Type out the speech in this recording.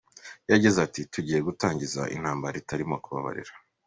Yagize ati,“Tugiye gutangiza intambara itarimo kubabarira.